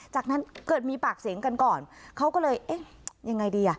จากนั้นเกิดมีปากเสียงกันก่อนเขาก็เลยเอ๊ะยังไงดีอ่ะ